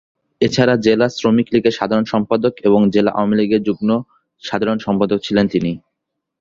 এছাড়া জেলা শ্রমিক লীগের সাধারণ সম্পাদক এবং জেলা আওয়ামী লীগের যুগ্ম সাধারণ সম্পাদক ছিলেন তিনি।